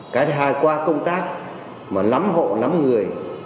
cái thứ hai qua công tác mà lắm hộ lắm người